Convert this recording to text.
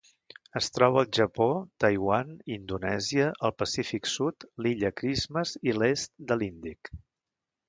Es troba al Japó, Taiwan, Indonèsia, el Pacífic sud, l'Illa Christmas i l'est de l'Índic.